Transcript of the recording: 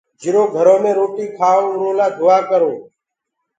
جرو گھرو مي روٽي کآئو اُرو لآ دُآآ ڪرو